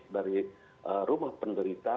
dari rumah penderita